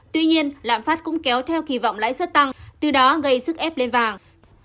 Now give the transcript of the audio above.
tuy nhiên lạm phát cũng kéo theo kỳ vọng lãi suất tăng từ đó gây sức ép lên vàng